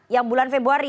yang bulan februari